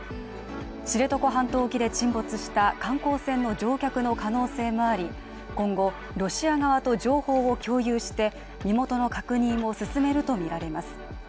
知床半島沖で沈没した観光船の乗客の可能性もあり、今後、ロシア側と情報を共有して身元の確認を進めるとみられます。